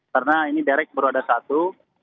karena ini derek baru ada satu